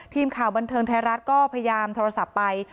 ทีมข่าวบันเทิงไทยรัฐก็พยายามโทรศัพท์ไป